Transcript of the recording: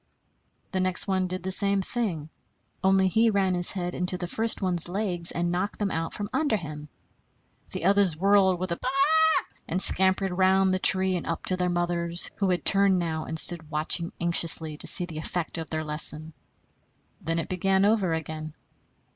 The next one did the same thing; only he ran his head into the first one's legs and knocked them out from under him. The others whirled with a ba a a ah, and scampered round the tree and up to their mothers, who had turned now and stood watching anxiously to see the effect of their lesson. Then it began over again.